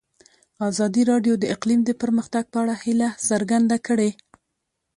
ازادي راډیو د اقلیم د پرمختګ په اړه هیله څرګنده کړې.